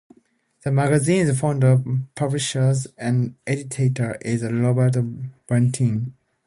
The magazine's founder, publisher and editor is Robert Ballantyne.